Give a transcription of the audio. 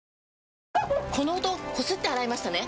この音こすって洗いましたね？